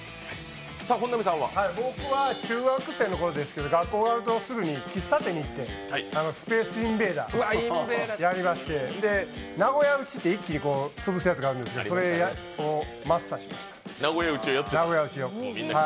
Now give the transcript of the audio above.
僕は中学生のころですけど、学校終わるとすぐに喫茶店に行って「スペースインベーダー」をやりまして、名古屋撃ちって、一気に潰すやつがあるんですが、それをマスターしました。